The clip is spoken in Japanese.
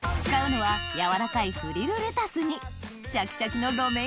使うのは柔らかいフリルレタスにシャキシャキのあっ